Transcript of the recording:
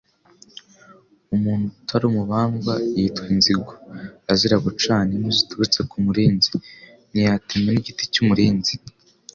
Umuntu utari umubandwa yitwa inzigo, azira gucana inkwi ziturutse ku murinzi, ntiyatema n’igiti cy’umurinzi